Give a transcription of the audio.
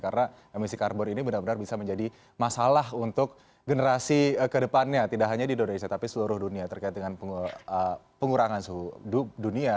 karena emisi karbon ini benar benar bisa menjadi masalah untuk generasi ke depannya tidak hanya di indonesia tapi seluruh dunia terkait dengan pengurangan suhu dunia